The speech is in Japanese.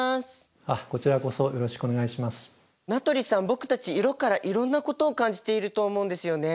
僕たち色からいろんなことを感じていると思うんですよね。